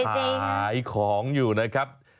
ขายของอยู่นะครับ